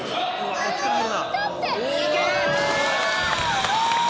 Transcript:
「すごーい！